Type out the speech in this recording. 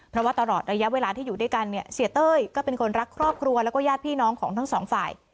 เพราะว่าตลอดระยะเวลาที่อยู่ด้วยกันเสียเต้ยเป็นคนรักครอบครัวและแย่พี่น้องของทั้ง๒ฝ่าย